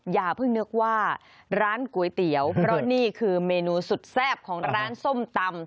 อย่าเพิ่งนึกว่าร้านก๋วยเตี๋ยวเพราะนี่คือเมนูสุดแซ่บของร้านส้มตำ